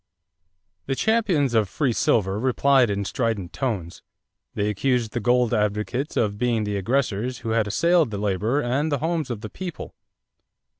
= The champions of free silver replied in strident tones. They accused the gold advocates of being the aggressors who had assailed the labor and the homes of the people.